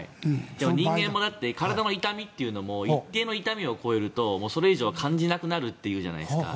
人間も体の痛みも一定の痛みを超えるとそれ以上感じなくなるというじゃないですか。